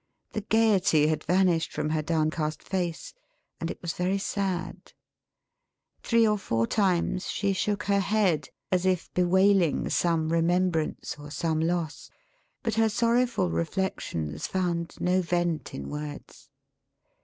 The gaiety had vanished from her downcast face, and it was very sad. Three or four times, she shook her head, as if bewailing some remembrance or some loss; but her sorrowful reflections found no vent in words.